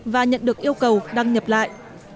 và nhận được yêu cầu đăng nhập lại